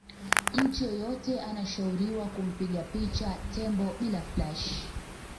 mtu yeyote anashauriwa kumpiga picha tembo bila flash